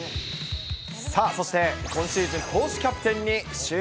さあ、そして今シーズン、投手キャプテンに就任。